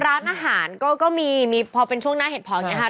ร้านอาหารก็มีพอเป็นช่วงหน้าเหตุผลอย่างนี้ค่ะ